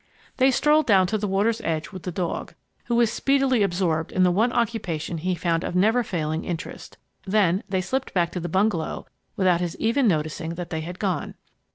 They strolled down to the water's edge with the dog, who was speedily absorbed in the one occupation he found of never failing interest. Then they slipped back to the bungalow without his even noticing that they had gone.